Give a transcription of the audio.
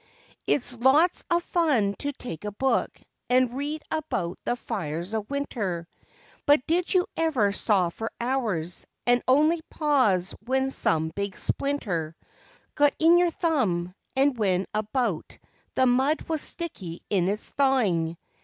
It's lots of fun to take a book and read about the fires of winter. But did you ever saw for hours, and only pause when some big splinter Got in your thumb, and when about the mud was sticky in its thawing.